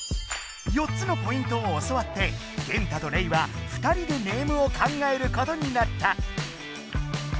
４つのポイントを教わってゲンタとレイは二人でネームを考えることになった！